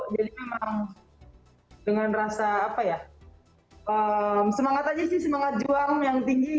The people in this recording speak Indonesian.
jadi memang dengan rasa apa ya semangat aja sih semangat juang yang tinggi